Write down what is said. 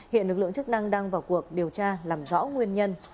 hiện lực lượng chức năng đang vào cuộc điều tra làm rõ nguyên nhân